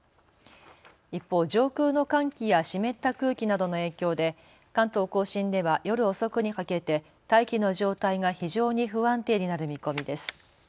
一方、上空の寒気や湿った空気などの影響で関東甲信では夜遅くにかけて大気の状態が非常に不安定になる見込みです。